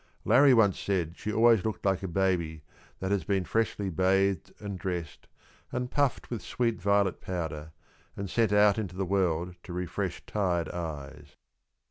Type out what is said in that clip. Larrie once said she always looked like a baby that has been freshly bathed and dressed, and puffed with sweet violet powder, and sent out into the world to refresh tired eyes.